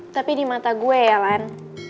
tapi di mata gue ya lan